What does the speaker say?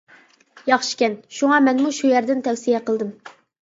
ياخشىكەن، شۇڭا مەنمۇ شۇ يەردىن تەۋسىيە قىلدىم.